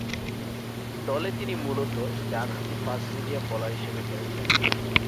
দলে তিনি মূলত ডানহাতি ফাস্ট-মিডিয়াম বোলার হিসেবে খেলছেন।